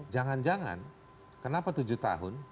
jangan jangan kenapa tujuh tahun